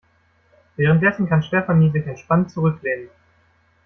Währenddessen kann Stefanie sich entspannt zurücklehnen.